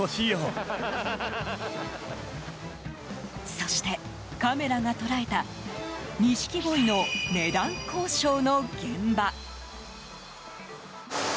そして、カメラが捉えた錦鯉の値段交渉の現場。